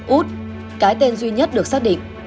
út cái tên duy nhất được xác định